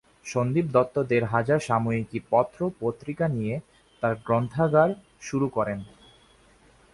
সন্দীপ দত্ত দেড় হাজার সাময়িকী পত্র-পত্রিকা নিয়ে তাঁর গ্রন্থাগার শুরু করেন।